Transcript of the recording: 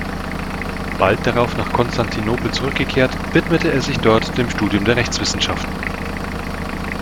Bald darauf nach Konstantinopel zurückgekehrt, widmete er sich dort dem Studium der Rechtswissenschaften.